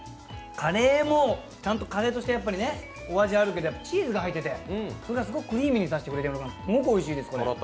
カレーも、ちゃんとカレーとしてお味があるけれども、チーズが入ってて、それがすごくクリーミーにさしてくれてすごくおいしいです。